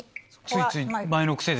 ついつい前の癖で。